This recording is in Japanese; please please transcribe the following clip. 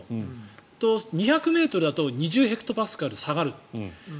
そうすると２００ｍだと２０ヘクトパスカル下がる。